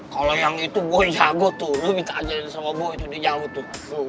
kalau yang itu boy jago tuh lo minta aja sama boy itu dia jawab tuh